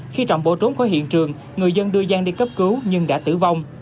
khi trọng bỏ trốn khỏi hiện trường người dân đưa giang đi cấp cứu nhưng đã tử vong